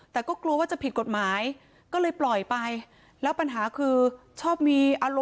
แต่ก็กลัวว่าจะผิดกฎหมายก็เลยปล่อยไป